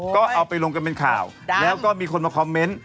ก็เอาไปลงกันเป็นข่าวแล้วก็มีคนมาคอมเมนต์